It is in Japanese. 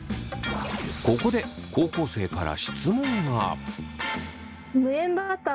ここで高校生から質問が。